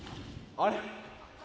あれ？